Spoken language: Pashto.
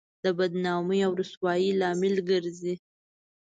د بدنامۍ او رسوایۍ لامل ګرځي.